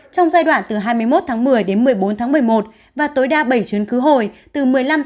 trong giai đoạn từ hai mươi một một mươi một mươi bốn một mươi một và tối đa bảy chuyến khứ hồi từ một mươi năm một mươi một ba mươi một mươi một